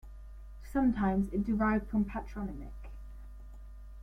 Sometimes it derived from patronymic.